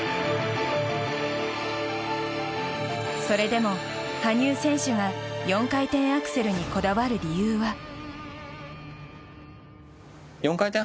それでも、羽生選手が４回転アクセルにこだわる理由は。